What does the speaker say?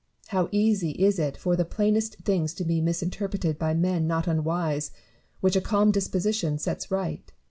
How easy is it for the plainest things to be misinterpreted by men not unwise, which a calm disquisition sets right